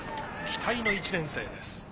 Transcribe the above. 期待の１年生です。